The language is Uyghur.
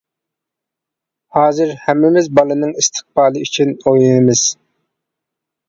ھازىر ھەممىمىز بالىنىڭ ئىستىقبالى ئۈچۈن ئويلىنىمىز.